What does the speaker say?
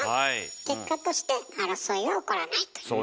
結果として争いは起こらないという。